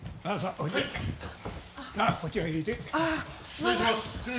失礼します。